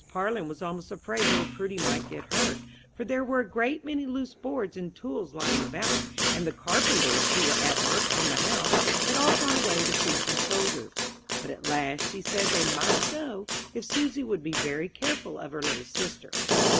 Parlin was almost afraid little Prudy might get hurt, for there were a great many loose boards and tools lying about, and the carpenters, who were at work on the house, had all gone away to see some soldiers. But at last she said they might go if Susy would be very careful of her little sister.